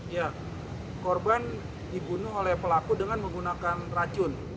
ya korban dibunuh oleh pelaku dengan menggunakan racun